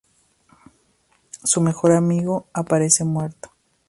Su mejor amigo aparece muerto.